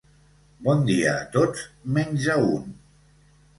Bon dia a tots, menys a un.